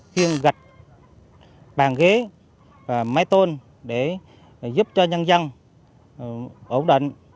khiêng gạch bàn ghế và mái tôn để giúp cho nhân dân ổn định